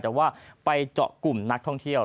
แต่ว่าไปเจาะกลุ่มนักท่องเที่ยว